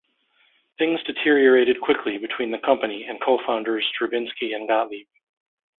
Things deteriorated quickly between the company and co-founders Drabinsky and Gottlieb.